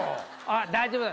大丈夫。